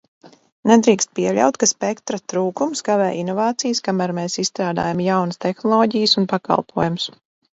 Nedrīkst pieļaut, ka spektra trūkums kavē inovācijas, kamēr mēs izstrādājam jaunas tehnoloģijas un pakalpojumus.